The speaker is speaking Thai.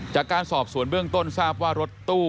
จากการสอบสวนเบื้องต้นทราบว่ารถตู้